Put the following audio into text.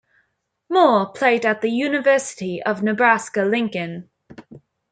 Moore played at the University of Nebraska-Lincoln.